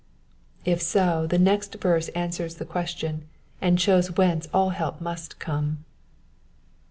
'' If so, the next verse answers the question, and shows whence all help must come.